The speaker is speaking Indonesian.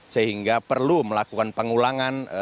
sehingga perlu melakukan pengulangan